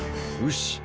よし。